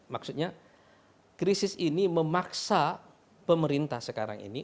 maksudnya krisis ini memaksa pemerintah sekarang ini